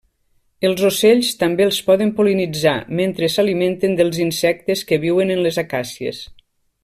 Els ocells també els poden pol·linitzar mentre s'alimenten dels insectes que viuen en les acàcies.